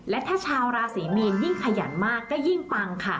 และถ้าชาวราศรีมีนยิ่งขยันมากก็ยิ่งปังค่ะ